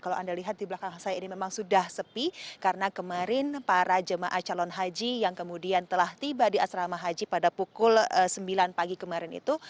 kalau anda lihat di belakang saya ini memang sudah sepi karena kemarin para jemaah calon haji yang kemudian telah tiba di asrama haji pada pukul sembilan pagi kemarin itu